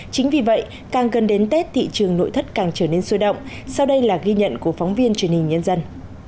chính vì vậy càng gần đến tết thị trường nội thất càng trở nên sôi động sau đây là ghi nhận của phóng viên truyền hình nhân dân